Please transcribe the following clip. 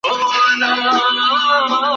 তর পরিকল্পনা কি ছিল?